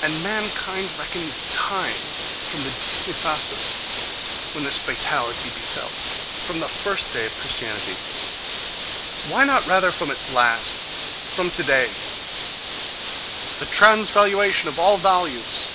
And mankind reckons time from the dies nefastus when this fatality befell—from the first day of Christianity!—Why not rather from its last?—From today?—The transvaluation of all values!...